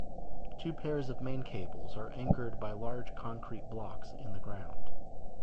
Two pairs of main cables are anchored by large concrete blocks in the ground.